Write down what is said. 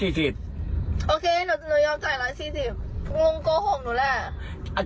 ไม่แน่จ่ายตังหนูหมดนี่ไหม